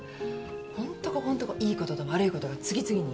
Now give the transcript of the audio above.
ホントここんとこいいことと悪いことが次々に。